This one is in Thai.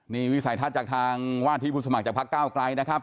นี้วิสัยทัศน์จากทางว่าทิพูศบั่งจากภาคอ้าวไกรนะครับ